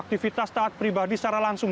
aktivitas taat pribadi secara langsung